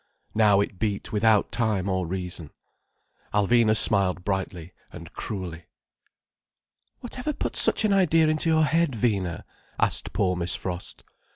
Now it beat without time or reason. Alvina smiled brightly and cruelly. "Whatever put such an idea into your head, Vina?" asked poor Miss Frost.